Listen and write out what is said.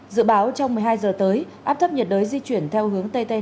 dự báo trong một mươi hai giờ tới áp thấp nhiệt đới di chuyển theo hướng tt